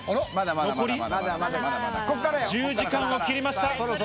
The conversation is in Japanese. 残り１０時間を切りました。